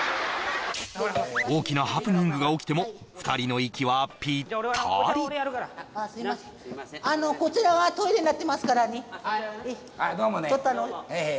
大きなハプニングが起きても２人の息はピッタリあのこちらはトイレになってますからねどうもねへえへえ